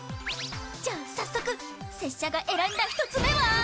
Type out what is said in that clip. じゃあ早速拙者が選んだ１つめは？